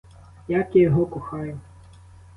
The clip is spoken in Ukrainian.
Як я його кохаю!